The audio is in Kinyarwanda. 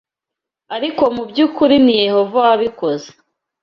Ariko mu by’ukuri ni Yehova wabikoze.